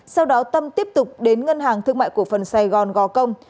sau đó tâm tiếp tục đến ngân hàng thương mại cổ phần sài gòn gò công